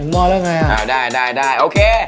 ๑ม้อแล้วไงอ่ะได้โอเค